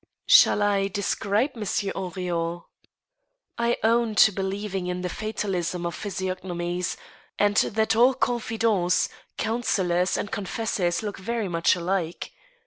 Shall I describe Monsieur Henrion ? I own to believing in the fatalism of physiognomies, and that all confidants, counselors, and confessors look very much alike.